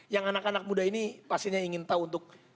yang anak anak muda ini pastinya ingin tahu untuk